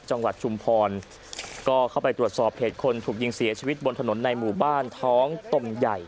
ชุมพรก็เข้าไปตรวจสอบเหตุคนถูกยิงเสียชีวิตบนถนนในหมู่บ้านท้องตมใหญ่